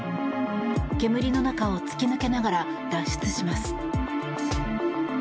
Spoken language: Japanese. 煙の中を突き抜けながら脱出します。